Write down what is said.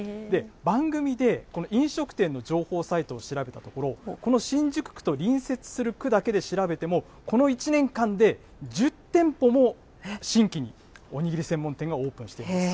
番組で、飲食店の情報サイトを調べたところ、この新宿区と隣接する区だけで調べても、この１年間で１０店舗も新規におにぎり専門店がオープンしているんです。